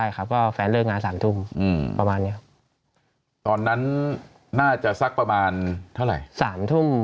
ใช่ครับก็แฟนเลิกงาน๓ทุ่มประมาณเนี้ยครับตอนนั้นน่าจะสักประมาณเท่าไหร่๓ทุ่ม